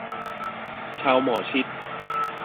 ชาวหมอชิต